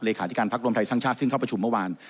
เรขาดิการพักรมไทยสังชาติซึ่งเข้าประชุมเมื่อวาน